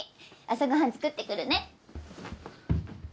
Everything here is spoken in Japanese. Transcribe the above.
朝ご飯作ってくるね！